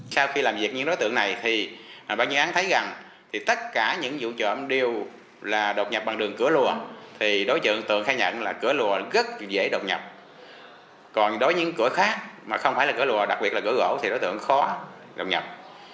các đối tượng khai nhận là cửa lùa rất dễ đột nhập còn đối với những cửa khác mà không phải là cửa lùa đặc biệt là cửa gỗ thì đối tượng khó đột nhập